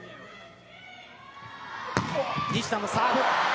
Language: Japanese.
西田のサーブ。